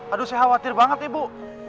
aduh saya khawatir banget ibu